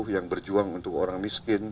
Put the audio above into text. yang berjuang untuk orang miskin